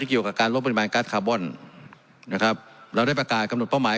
เกี่ยวกับการลดปริมาณการ์ดคาร์บอนนะครับเราได้ประกาศกำหนดเป้าหมาย